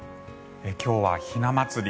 今日はひな祭り。